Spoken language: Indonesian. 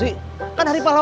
sampai jumpa lagi